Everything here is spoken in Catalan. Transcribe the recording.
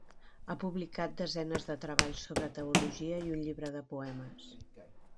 Ha publicat desenes de treballs sobre teologia i un llibre de poemes.